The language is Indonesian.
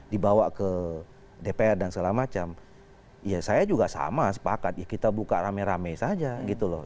dibawa ke dpr dan segala macam ya saya juga sama sepakat ya kita buka rame rame saja gitu loh